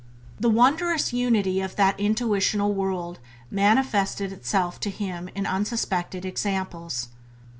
The wondrous unity of that intuitional world manifested itself to him in unsuspected examples.